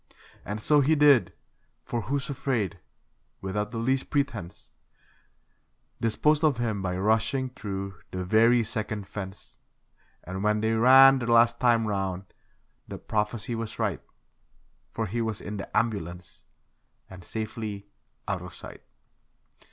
And so he did; for 'Who's Afraid', without the least pretence, Disposed of him by rushing through the very second fence; And when they ran the last time round the prophecy was right For he was in the ambulance, and safely 'out of sight'.